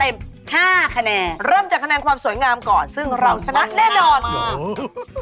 เริ่มจากคะแนนความสวยงามก่อนซึ่งเราชนะแน่นอน